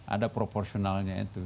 ada proporsionalnya itu